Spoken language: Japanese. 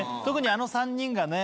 特にあの３人が。